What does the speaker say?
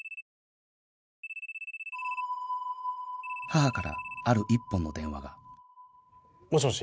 母からある１本の電話が